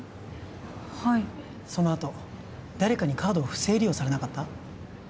はいそのあと誰かにカードを不正利用されなかった？